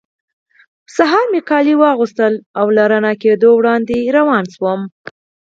سهار مې کالي واغوستل او له رڼا کېدو وړاندې روان شوم.